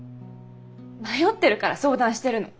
迷ってるから相談してるの。